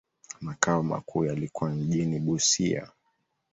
Makao makuu yalikuwa mjini Busia.